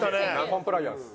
コンプライアンス。